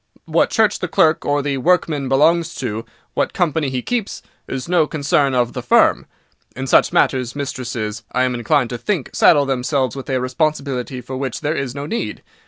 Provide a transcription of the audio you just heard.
What church the clerk or the workman belongs to, what company he keeps, is no concern of the firm. In such matters, mistresses, I am inclined to think, saddle themselves with a responsibility for which there is no need.